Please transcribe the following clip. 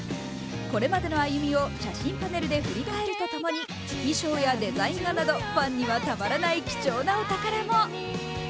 これまでのあゆみを写真パネルで振りかえるとともに衣装やデザイン画などファンにはたまらない貴重なお宝も。